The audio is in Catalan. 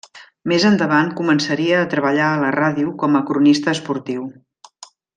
Més endavant començaria a treballar a la ràdio com a cronista esportiu.